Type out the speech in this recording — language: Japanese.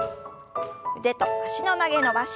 腕と脚の曲げ伸ばし。